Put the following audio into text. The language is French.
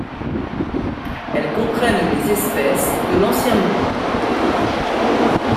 Elles comprennent les espèces de l'Ancien Monde.